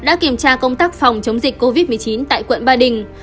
đã kiểm tra công tác phòng chống dịch covid một mươi chín tại quận ba đình